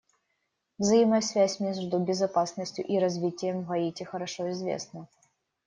Взаимосвязь между безопасностью и развитием в Гаити хорошо известна.